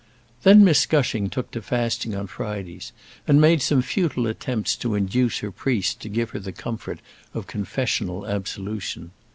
Then Miss Gushing took to fasting on Fridays, and made some futile attempts to induce her priest to give her the comfort of confessional absolution.